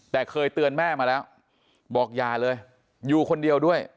แต่เคยเตือนแม่มาแล้วบอกอย่าเลยอยู่คนเดียวด้วย